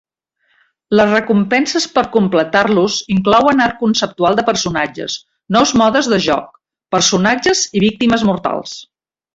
Les recompenses per completar-los inclouen art conceptual de personatges, nous modes de joc, personatges i víctimes mortals.